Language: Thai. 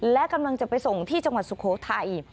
และกำลังจะไปส่งที่จังหวัดสุโขทัย